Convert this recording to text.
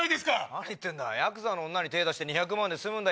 何言ってんだヤクザの女に手ぇ出して２００万で済むんだ。